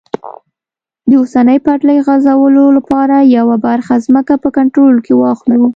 د اوسپنې پټلۍ غځولو لپاره یوه برخه ځمکه په کنټرول کې واخلو.